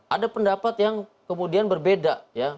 ada pendapat yang kemudian berbeda